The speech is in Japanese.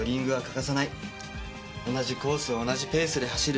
同じコースを同じペースで走る。